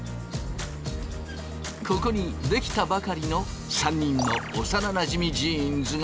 ここに出来たばかりの３人の幼なじみジーンズがいた。